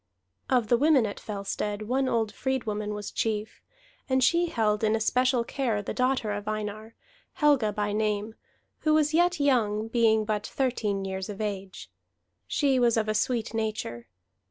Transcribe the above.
Of the women at Fellstead one old freedwoman was chief; and she held in especial care the daughter of Einar, Helga by name, who was yet young, being but thirteen years of age. She was of a sweet nature.